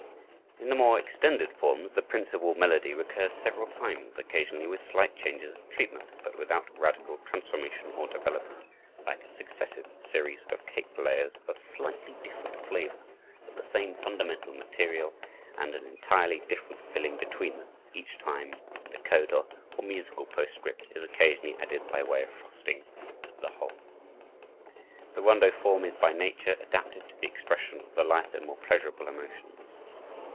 In the more extended forms, the principal melody recurs several times, occasionally with slight changes of treatment, but without radical transformation or development, like a successive series of cake layers of slightly different flavor, but the same fundamental material and an entirely different filling between them, each time; and a coda, or musical postscript, is occasionally added by way of frosting over the whole. The rondo form is by nature adapted to the expression of the lighter, more pleasurable emotions.